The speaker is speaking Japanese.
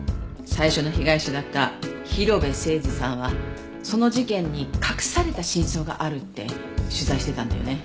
最初の被害者だった広辺誠児さんはその事件に隠された真相があるって取材してたんだよね。